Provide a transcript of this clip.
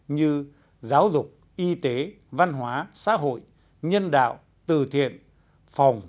như giáo dục y tế văn hóa xã hội nhân đạo từ thiện phòng